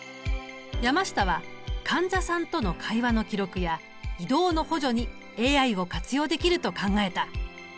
山下は患者さんとの会話の記録や移動の補助にＡＩを活用できると考えた。